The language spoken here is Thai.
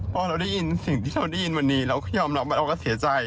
พอเราได้ยินสิ่งที่เขาได้ยินวันนี้เราก็ยอมรับว่าเราก็เสียใจ